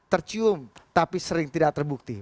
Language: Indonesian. tercium tapi sering tidak terbukti